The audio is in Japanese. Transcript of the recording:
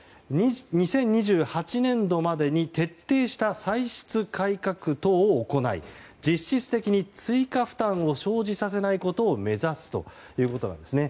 ２０２８年度までに徹底した歳出改革等を行い実質的に追加負担を生じさせないことを目指すということなんですね。